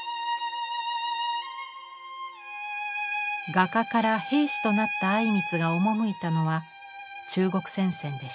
画家から兵士となった靉光が赴いたのは中国戦線でした。